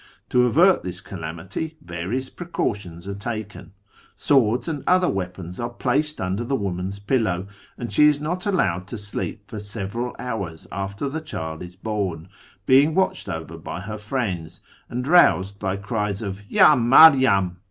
To avert this calamity various precautions are taken ; swords and other weapons are placed under the M'oman's pillow, and she is not allowed to sleep for several hours after the child is born, being watched over by her friends, and roused by cries of " Yd Mary am